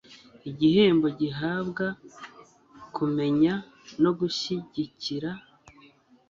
igihembo gihabwa kumenya no gushyigikira